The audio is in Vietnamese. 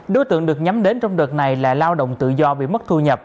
đối tượng được nhắm đến trong đợt này là lao động tự do bệnh